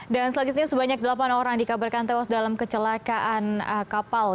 dan selanjutnya sebanyak delapan orang dikabarkan tewas dalam kecelakaan kapal